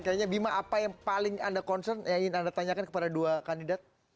kayaknya bima apa yang paling anda concern yang ingin anda tanyakan kepada dua kandidat